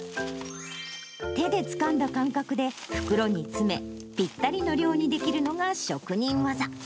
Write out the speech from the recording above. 手でつかんだ感覚で袋に詰め、ぴったりの量にできるのが職人技。